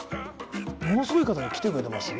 ものすごい方が来てくれてます？